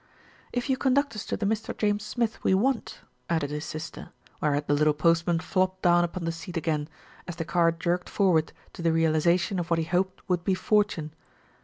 "If you conduct us to the Mr. James Smith we want," added his sister, whereat the little postman flopped down upon the seat again, as the car jerked forward to the realisation of what he hoped would be fortune.